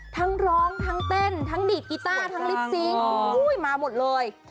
ทั้งร้องทั้งเต้นทั้งดีดกีต้าทั้งลิปซิงค์มาหมดเลย